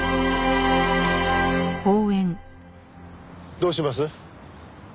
どうします？